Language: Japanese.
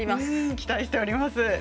期待しています。